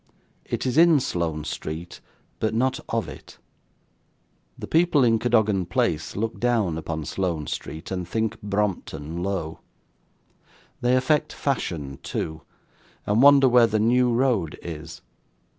It is in Sloane Street, but not of it. The people in Cadogan Place look down upon Sloane Street, and think Brompton low. They affect fashion too, and wonder where the New Road is.